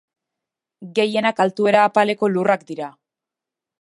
Gehienak altuera apaleko lurrak dira.